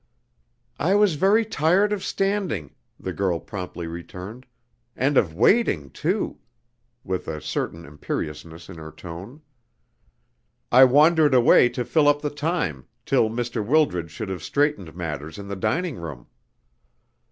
"I was very tired of standing," the girl promptly returned, "and of waiting, too" with a certain imperiousness in her tone. "I wandered away to fill up the time till Mr. Wildred should have straightened matters in the dining room."